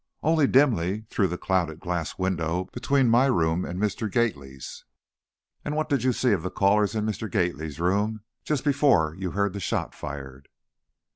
"Only dimly, through the clouded glass window between my room and Mr. Gately's." "And what did you see of the callers in Mr. Gately's room just before you heard the shot fired?"